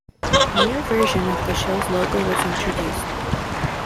A new version of the show's logo was introduced.